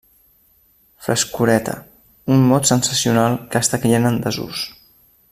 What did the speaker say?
Frescoreta, un mot sensacional que està caient en desús.